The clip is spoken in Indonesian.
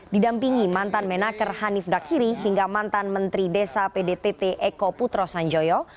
didampingi mantan menaker hanif dakiri hingga mantan menteri desa pdtt eko putro sanjoyo